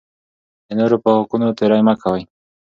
د نورو په حقونو تېری مه کوئ.